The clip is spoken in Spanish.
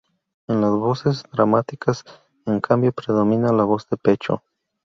En las voces dramáticas, en cambio, predomina la voz de pecho.